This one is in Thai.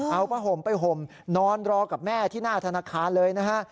เอาผ้าห่มไปห่มนอนรอกับแม่ที่หน้าธนาคารเลยนะฮะ